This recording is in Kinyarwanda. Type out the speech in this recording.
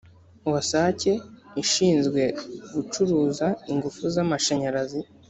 wasake ishinzwe gucuruza ingufu z’ amashanyarazi